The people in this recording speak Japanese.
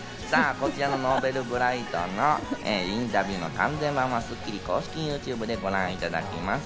こちらのＮｏｖｅｌｂｒｉｇｈｔのインタビューの完全版は『スッキリ』公式ＹｏｕＴｕｂｅでご覧いただけます。